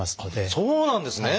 そうなんですね。